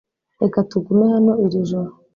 Reka tugume hano iri joro .